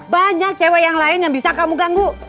banyak cewek yang lain yang bisa kamu ganggu